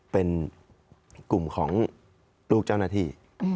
เป็นกลุ่มของลูกเจ้าหน้าที่